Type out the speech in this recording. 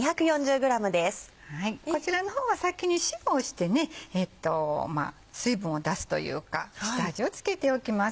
こちらの方は先に塩をして水分を出すというか下味を付けておきます。